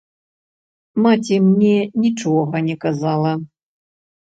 Маці мне нічога не казала.